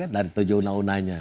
dari tujuh una unanya